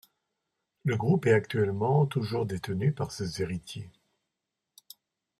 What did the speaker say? Le groupe est actuellement toujours détenu par ses héritiers.